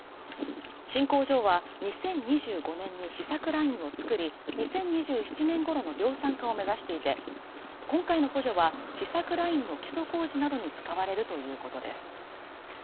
新工場は２０２５年に試作ラインを作り、２０２７年ごろの量産化を目指していて、今回の補助は試作ラインの基礎工事などに使われるということです。